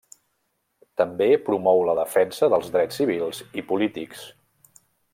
També promou la defensa dels drets civils i polítics.